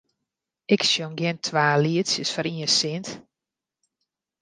Ik sjong gjin twa lietsjes foar ien sint.